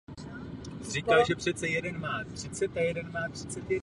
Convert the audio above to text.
Při jednom z pokusů o výstup ovšem Fischera strhla lavina.